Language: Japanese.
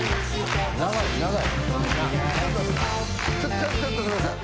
ちょっとちょっとごめんなさい。